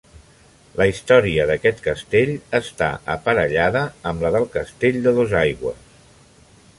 La història d'aquest castell està aparellada amb la del Castell de Dosaigües.